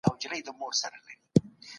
په خدای ښار کتاب کي د عقايدو بحث دی.